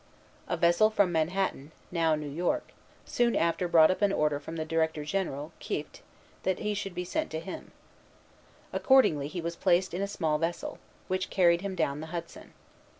A vessel from Manhattan, now New York, soon after brought up an order from the Director General, Kieft, that he should be sent to him. Accordingly he was placed in a small vessel, which carried him down the Hudson.